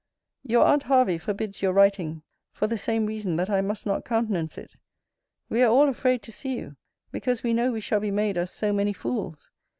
Your aunt Hervey forbids your writing for the same reason that I must not countenance it. We are all afraid to see you, because we know we shall be made as so many fools.